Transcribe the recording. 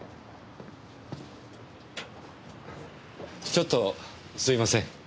ちょっとすいません。